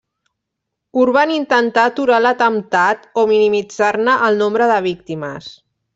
Urban intentà aturar l'atemptat o minimitzar-ne el nombre de víctimes.